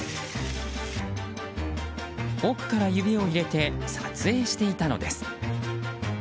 奥から指を入れて撮影していたのです。